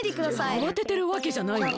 あわててるわけじゃないんだが。